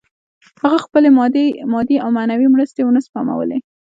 هغه خپلې مادي او معنوي مرستې ونه سپمولې